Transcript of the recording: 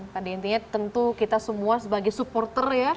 pada intinya tentu kita semua sebagai supporter ya